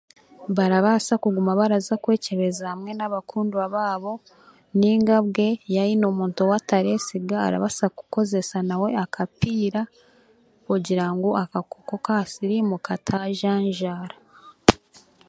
Baraabaasa kuguma baraza kwekyebeza hamwe n'abakundwa baabo nainga bwe yaayine omuntu ou atareesiga arabaasa kukoresa nawe akapiira kugira ngu akakooko ka siriimu katajanjaara